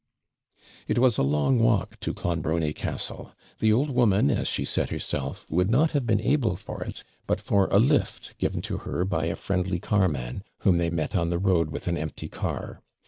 It was a long walk to Clonbrony Castle; the old woman, as she said herself, would not have been able for it, but for a LIFT given to her by a friendly carman, whom they met on the road with an empty car.